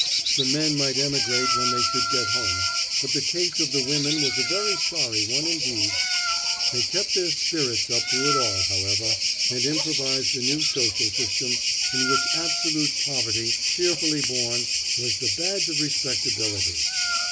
The men might emigrate when they should get home, but the case of the women was a very sorry one indeed. They kept their spirits up through it all, however, and improvised a new social system in which absolute poverty, cheerfully borne, was the badge of respectability.